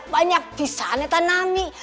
banyak pisahnya tanami